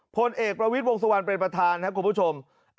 พลเอกประวิทย์วงสุวรรณเป็นประธานครับคุณผู้ชม